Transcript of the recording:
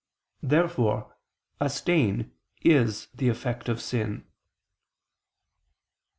Therefore a stain is the effect of sin.